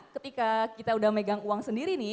ketika kita udah megang uang sendiri nih